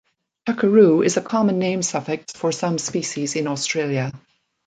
Tuckeroo is a common name suffix for some species in Australia.